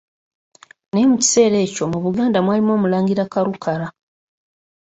Naye mu kiseera ekyo mu Buganda mwalimu Omulangira Karukara.